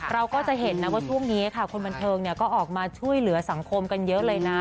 เราก็จะเห็นนะว่าช่วงนี้ค่ะคนบันเทิงก็ออกมาช่วยเหลือสังคมกันเยอะเลยนะ